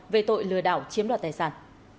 về tội lừa đảo chiếm đoạt tài sản